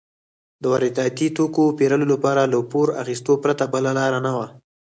د وارداتي توکو پېرلو لپاره له پور اخیستو پرته بله لار نه وه.